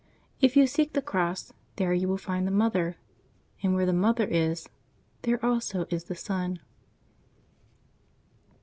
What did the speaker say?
If you seek the Cross, there you will find the Mother; and where the Mother is, there also is the Son."